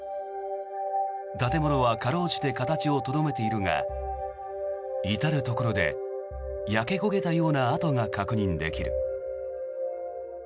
建物は辛うじて形をとどめているが至るところで焼け焦げたような跡が確認できる。